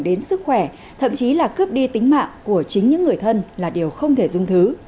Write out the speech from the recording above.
đến sức khỏe thậm chí là cướp đi tính mạng của chính những người thân là điều không thể dung thứ